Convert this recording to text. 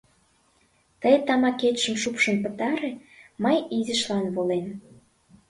— Тый тамакетшым шупшын пытаре, мый изишлан волем.